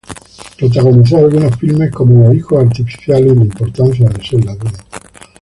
Protagonizó algunos filmes como "Los hijos artificiales" y "La importancia de ser ladrón".